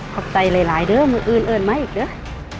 ขอบใจหลายเดอะมึงอืนเอิญมาอีกเดอะ